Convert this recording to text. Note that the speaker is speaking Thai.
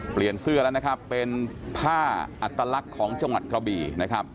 เปลี่ยนเสื้อแล้วนะครับเป็นผ้าอัตลักษณ์ของจังหวัดกระบี่นะครับ